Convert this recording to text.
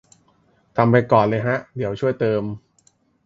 ทำไปก่อนเลยฮะ เดี๋ยวช่วยเติม